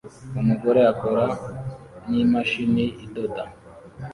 Umugore akora n'imashini idoda